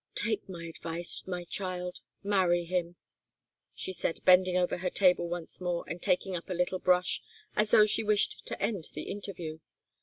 "Take my advice, my child marry him," she said, bending over her table once more and taking up a little brush, as though she wished to end the interview.